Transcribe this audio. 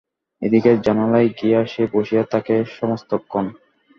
এদিকের জানালায় গিয়া সে বসিয়া থাকে সমস্তক্ষণ।